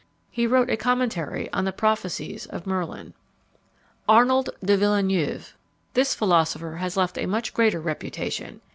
He wrote a commentary on the prophecies of Merlin. ARNOLD DE VILLENEUVE. This philosopher has left a much greater reputation.